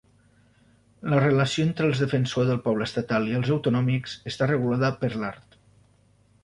La relació entre el defensor del poble estatal i els autonòmics està regulada per l'art.